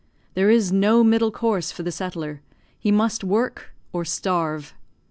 There is no middle course for the settler; he must work or starve.